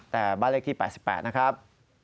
แต่บ้านเลขที่๘๘นะครับ